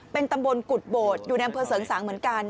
เป็นตำบลกุฎโบดอยู่ในอำเภอเสริงสางเหมือนกัน